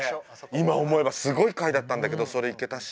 今思えばすごい回だったんだけどそれ行けたし